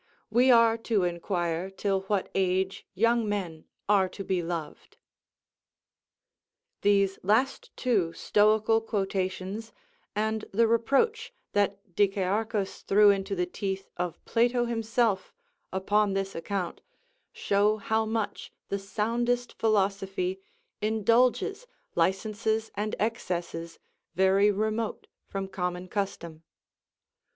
we are to inquire till what age young men are to be loved." These last two stoical quotations, and the reproach that Dicæarchus threw into the teeth of Plato himself, upon this account, show how much the soundest philosophy indulges licenses and excesses very remote from common custom.